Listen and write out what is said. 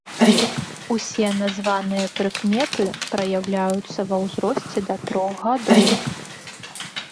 Усе названыя прыкметы праяўляюцца ва ўзросце да трох гадоў.